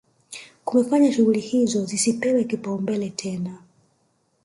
Kumefanya shughuli hizo zisipewe kipaumbele tena